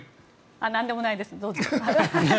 なんでもないです